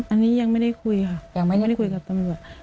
อันนี้ยังไม่ได้คุยค่ะยังไม่ได้คุยกับตำรวจ